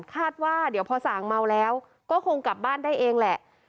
คาดว่าเดี๋ยวพอส่างเมาแล้วก็คงกลับบ้านได้เองแหละ